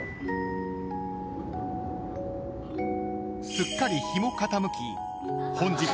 ［すっかり日も傾き］